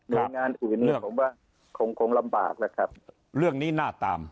เรื่องงานอื่นผมว่าคงลำบากนะครับ